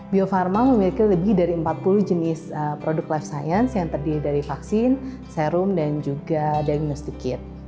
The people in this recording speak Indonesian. bio farma memiliki lebih dari empat puluh jenis produk life science yang terdiri dari vaksin serum dan juga diagnostiquid